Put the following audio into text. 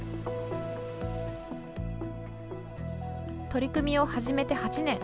取り組みを始めて８年。